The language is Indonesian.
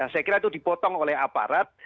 saya kira itu dipotong oleh aparat